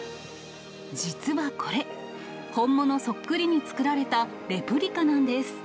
実はこれ、本物そっくりに作られたレプリカなんです。